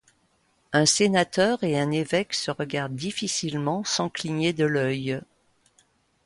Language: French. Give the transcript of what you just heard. Un sénateur et un évêque se regardent difficilement sans cligner de l'oeil.